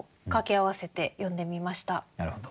なるほど。